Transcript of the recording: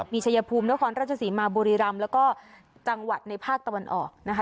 มีชัยภูมินครราชศรีมาบุรีรำแล้วก็จังหวัดในภาคตะวันออกนะคะ